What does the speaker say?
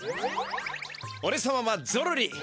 おれさまはゾロリ。